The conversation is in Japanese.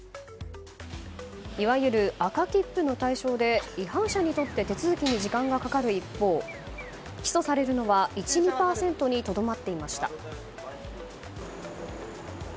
いわゆる赤切符の対象で違反者にとって手続きに時間がかかる一方起訴されるのは１２％にとどまっていました。